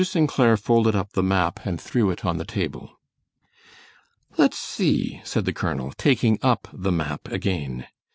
Clair folded up the map and threw it on the table. "Let's see," said the colonel, taking up the map again.